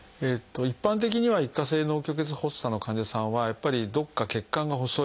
一般的には一過性脳虚血発作の患者さんはやっぱりどこか血管が細い。